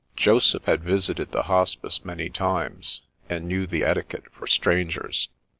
Joseph had visited the Hospice many times, and knew the etiquette for strangers.